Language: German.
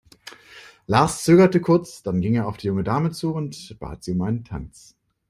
Lars zögerte kurz, dann ging er auf die junge Dame zu und bat sie um einen Tanz.